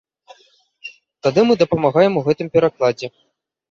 Тады мы дапамагаем у гэтым перакладзе.